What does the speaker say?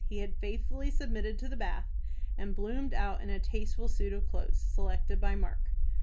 He had faithfully submitted to the bath, and bloomed out in a tasteful suit of clothes, selected by Mark.